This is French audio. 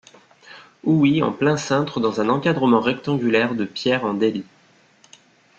Ouïes en plein cintre dans un encadrement rectangulaire de pierres en délit.